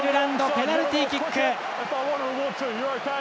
ペナルティキック。